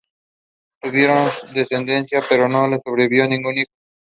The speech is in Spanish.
Tuvieron descendencia pero no les sobrevivió ningún hijo.